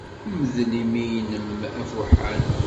Mdel imi-nnem afuḥan.